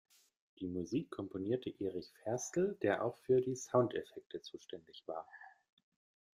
Die Musik komponierte Erich Ferstl, der auch für die Soundeffekte zuständig war.